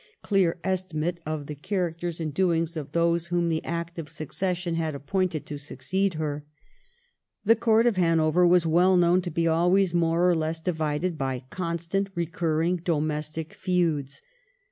clear estimate of the characters and doings of those whom the Act of Settlement had appointed to succeed her. The Court of Hanover was well known to be always more or less divided by constantly recurring domestic feuds.